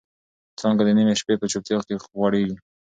څانګه د نيمې شپې په چوپتیا کې غوړېږي.